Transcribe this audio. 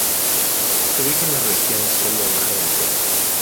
Se ubica en la región selva baja del Perú.